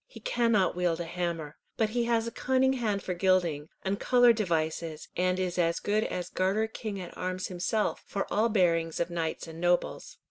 He cannot wield a hammer, but he has a cunning hand for gilding, and coloured devices, and is as good as Garter king at arms himself for all bearings of knights and nobles."